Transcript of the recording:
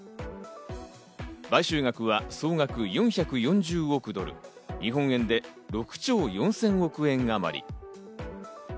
買収額は総額４４０億ドル、日本円でおよそ６兆４０００億円あまり。